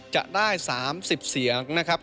จะได้๓๐เสียงนะครับ